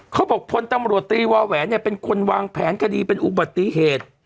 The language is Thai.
เขาบอกที่พลตำรวจตีวาแหวนคือควรเป็นคนวางแผนกดีเป็นอุบัติเหตุ